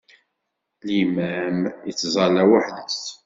Limam ittẓalla weḥd-s.